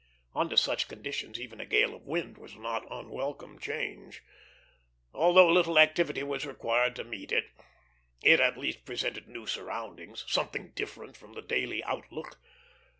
Under such conditions even a gale of wind was a not unwelcome change. Although little activity was required to meet it, it at least presented new surroundings something different from the daily outlook.